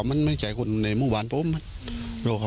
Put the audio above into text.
พี่สุกษัตริย์ช่วยพี่ซันติ